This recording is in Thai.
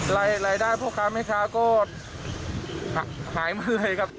รายได้พ่อค้าแม่ค้าก็หายมาเลยครับ